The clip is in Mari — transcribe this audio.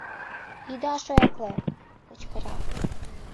— Ида шоякле! — кычкыра.